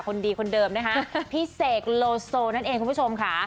คนดีคนเดิมนะคะพี่เสกโลโซนั่นเองคุณผู้ชมค่ะ